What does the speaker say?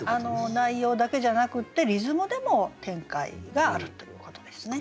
内容だけじゃなくてリズムでも展開があるということですね。